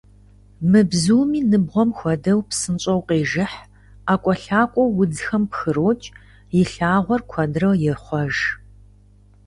Мы бзуми, ныбгъуэм хуэдэу, псынщӀэу къежыхь, ӀэкӀуэлъакӀуэу удзхэм пхрокӀ, и лъагъуэр куэдрэ ехъуэж.